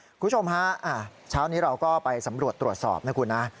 คุณผู้ชมฮะเช้านี้เราก็ไปสำรวจตรวจสอบนะคุณนะ